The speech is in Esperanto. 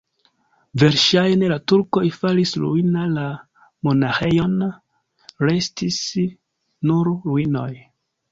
Verŝajne la turkoj faris ruina la monaĥejon, restis nur ruinoj.